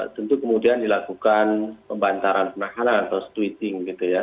tentu kemudian dilakukan pembantaran penahanan atau sweeting gitu ya